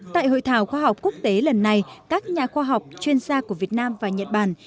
tại hội thảo khoa học quốc tế lần này các nhà khoa học chuyên gia của việt nam và nhật bản